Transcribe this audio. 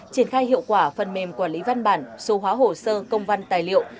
triển khai hiệu quả phần mềm quản lý văn bản số hóa hồ sơ công văn tài liệu